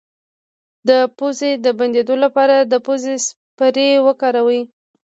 د پوزې د بندیدو لپاره د پوزې سپری وکاروئ